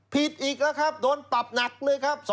ผิดอีกแล้วครับโดนปรับหนักเลยครับ